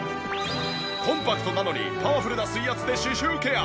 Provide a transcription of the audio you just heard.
コンパクトなのにパワフルな水圧で歯周ケア！